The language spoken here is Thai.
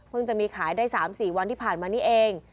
เพิ่งจะมีขายใน๓๔วันที่ผ่านมานี่เอง